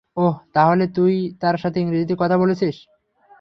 ওহ, তাহলে তুই তার সাথে ইংরেজিতে কথা বলেছিস?